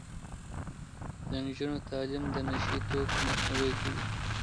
د نجونو تعلیم د نشه يي توکو مخنیوی کوي.